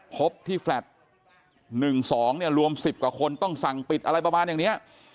พบที่แฟลต์๑๒เนี่ยรวม๑๐กว่าคนต้องสั่งปิดอะไรประมาณอย่างนี้